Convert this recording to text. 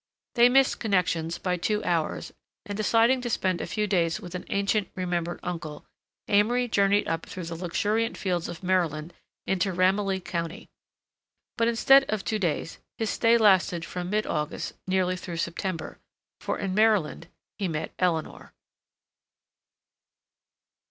They missed connections by two hours, and, deciding to spend a few days with an ancient, remembered uncle, Amory journeyed up through the luxuriant fields of Maryland into Ramilly County. But instead of two days his stay lasted from mid August nearly through September, for in Maryland he met Eleanor.